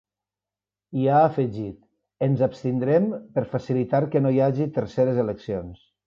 I ha afegit: ‘Ens abstindrem per facilitar no hi hagi terceres eleccions’.